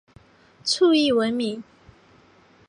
卒谥文敏。